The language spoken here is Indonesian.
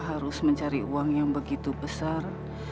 harus mencari uang yang begitu besar